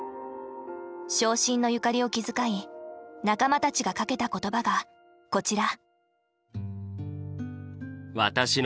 傷心の由嘉里を気遣い仲間たちがかけた言葉がこちら。